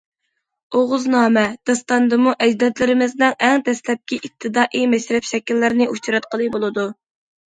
‹‹ ئوغۇزنامە›› داستانىدىمۇ ئەجدادلىرىمىزنىڭ ئەڭ دەسلەپكى ئىپتىدائىي مەشرەپ شەكىللىرىنى ئۇچراتقىلى بولىدۇ.